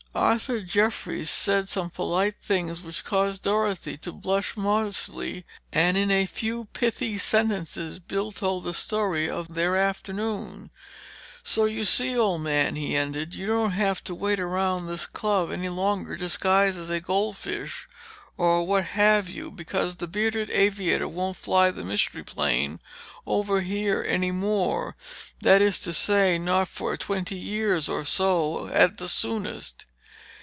Arthur Jeffries said some polite things which caused Dorothy to blush modestly, and in a few pithy sentences Bill told the story of their afternoon. "So you see, old man," he ended. "You won't have to wait around this club any longer disguised as a goldfish or what have you—because the bearded aviator won't fly the Mystery Plane over here any more—that is to say—not for twenty years or so at the soonest."